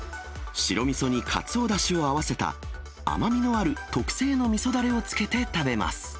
白みそにかつおだしを合わせた、甘みのある特製のみそだれをつけて食べます。